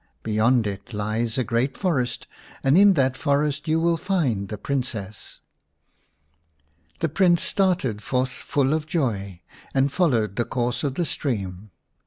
Beyond it lies a great forest, and in that forest you will find the Princess." The Prince started forth full of joy, and followed the course of the stream.